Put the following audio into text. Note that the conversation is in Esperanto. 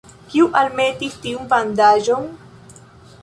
Kiu almetis tiun bandaĝon?